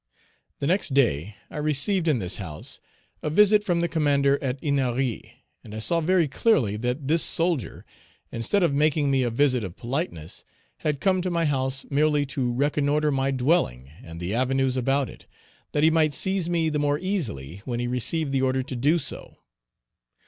The next day I received, in this house, a visit from the commander at Ennery, and I saw very clearly that this soldier, instead of making me a visit of politeness, had come to my house merely to reconnoitre my dwelling and the avenues about it, that he might seize me the more easily when he received the order to do so.